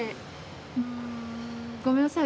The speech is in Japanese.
うんごめんなさい